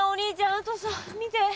あとさ見て。